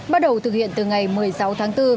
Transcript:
bắt đầu thực hiện từ ngày một mươi sáu tháng bốn